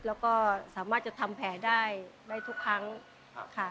แล้วก็สามารถจะทำแผลได้ได้ทุกครั้งค่ะ